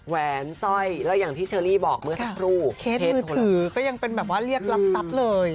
แหวนสร้อยแล้วอย่างที่เชอรี่บอกเมื่อสักครู่เคสมือถือก็ยังเป็นแบบว่าเรียกรับทรัพย์เลย